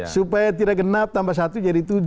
supaya tidak genap tambah satu jadi tujuh